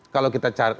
kalau kita cari